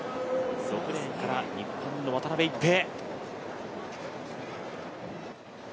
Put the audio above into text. ６レーンから日本の渡辺一平。